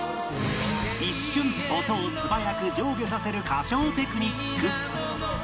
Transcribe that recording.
一瞬音を素早く上下させる歌唱テクニック